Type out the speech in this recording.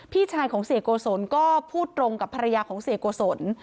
พี่ชายของเสกวสนก็พูดตรงกับภรรยาของเสกวสน